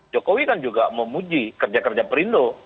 jokowi kan juga memuji kerja kerja perindo